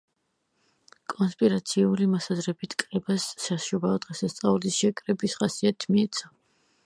კონსპირაციული მოსაზრებით კრებას საშობაო დღესასწაულის შეკრების ხასიათი მიეცა.